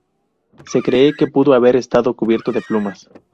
Se cree que pudo haber estado cubierto de plumas.